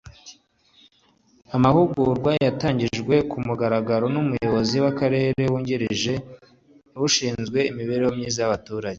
Amahugurwa yatangijwe ku mugaragaro n’umuyobozi w’akarere wungirije ushinzwe imibereho myiza y’abaturage